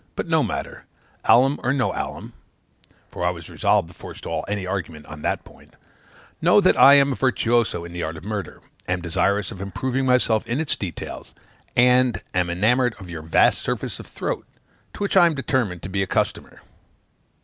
But no matter, alum or no alum, (for I was resolved to forestall any argument on that point,) know that I am a virtuoso in the art of murder am desirous of improving myself in its details and am enamored of your vast surface of throat, to which I am determined to be a customer.'